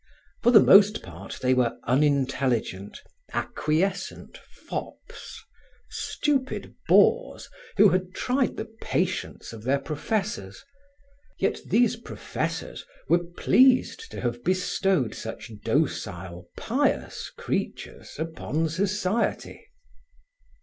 For the most part, they were unintelligent, acquiescent fops, stupid bores who had tried the patience of their professors. Yet these professors were pleased to have bestowed such docile, pious creatures upon society.